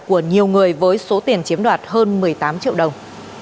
của nhiều người với số tiền chiếm đoạt hơn một mươi tám triệu đồng